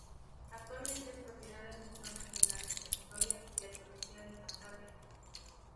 Actualmente es propiedad del Museo Regional de Prehistoria y Arqueología de Cantabria.